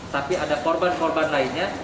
tapi ada korban korban lainnya